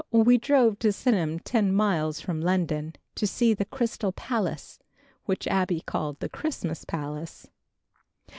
We drove to Sydenham ten miles from London, to see the Crystal Palace which Abbie called the "Christmas Palace."